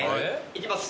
いきます。